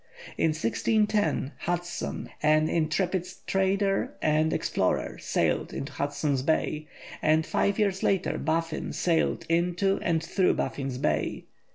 In 1610 Hudson, an intrepid trader and explorer, sailed into Hudson's Bay, and five years later Baffin sailed into and through Baffin's Bay.